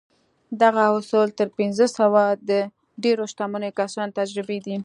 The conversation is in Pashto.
دغه اصول تر پينځه سوه د ډېرو شتمنو کسانو تجربې دي.